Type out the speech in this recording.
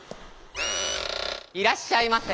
いらっしゃいませ。